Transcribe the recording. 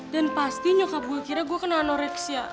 dan pasti nyokap gue kira gue kena anoreksia